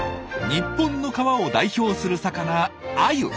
日本の川を代表する魚アユ。